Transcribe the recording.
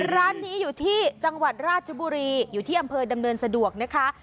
ร้านนี้อยู่ที่จังหวัดราชบุรีอยู่ที่อำเภอดำเนินสะดวกนะคะ